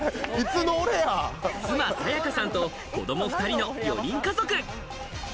妻・雅さんと子供２人の４人家族。